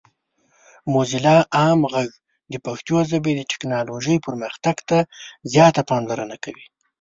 موزیلا عام غږ د پښتو ژبې د ټیکنالوجۍ پرمختګ ته زیاته پاملرنه کوي.